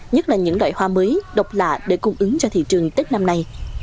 nhất là những loại hoa mới độc lạ để cung ứng cho thị trường tết năm nay